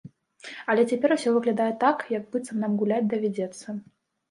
Але цяпер усё выглядае так, як быццам нам гуляць давядзецца.